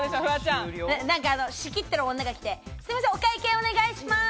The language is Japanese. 仕切ってる女が来て、すいません、お会計、お願いします！